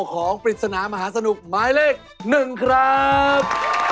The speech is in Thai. ของปริศนามหาสนุกหมายเลข๑ครับ